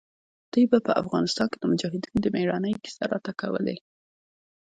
دوى به په افغانستان کښې د مجاهدينو د مېړانې کيسې راته کولې.